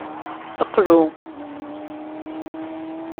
Qlu.